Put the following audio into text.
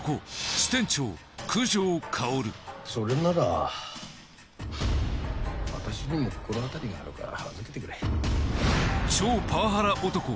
それなら私にも心当たりがあるから預けてくれ。